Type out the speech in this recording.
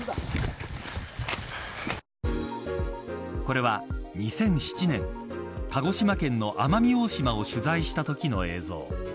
これは２００７年鹿児島県の奄美大島を取材したときの映像。